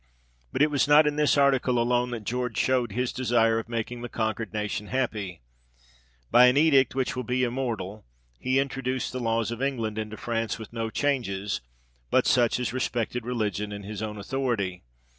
But it was not in this article alone that George showed his desire of making the conquered nation happy: by an edict, which will be immortal, he introduced the laws of England into France, with no changes, but such as respected religion and his own authority.